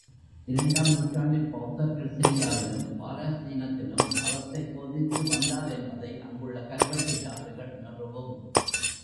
இரண்டாம் நூற்றாண்டில் பெளத்தர்கள் சிரியாவிலும் பாலஸ்தீனத்திலும் அறத்தைப் போதித்து வந்தார் என்பதை அங்குள்ள கல்வெட்டுச் சான்றுகள் நிறுவும்.